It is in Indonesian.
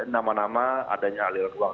nama nama adanya aliran uang